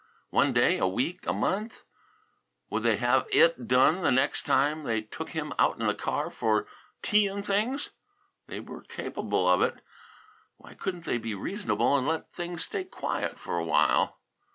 One day, a week, a month? Would they have it done the next time they took him out in that car for tea and things? They were capable of it. Why couldn't they be reasonable and let things stay quiet for a while?